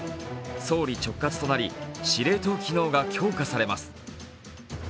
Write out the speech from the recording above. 総理直轄となり司令塔機能が強化されます。